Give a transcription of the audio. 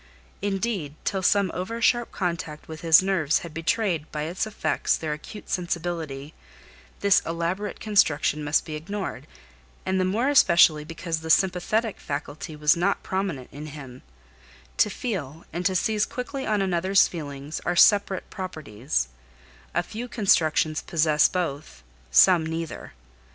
Indeed, till some over sharp contact with his nerves had betrayed, by its effects, their acute sensibility, this elaborate construction must be ignored; and the more especially because the sympathetic faculty was not prominent in him: to feel, and to seize quickly another's feelings, are separate properties; a few constructions possess both, some neither.